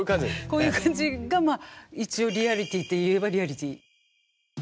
こういう感じがまあ一応リアリティといえばリアリティ。